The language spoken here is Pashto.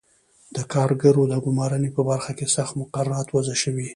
د کارګرو د ګومارنې په برخه کې سخت مقررات وضع شوي.